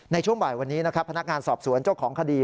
ในช่วงบ่ายวันนี้นะครับพนักงานสอบสวนเจ้าของคดี